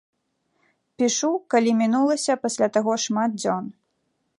Пішу, калі мінулася пасля таго шмат дзён.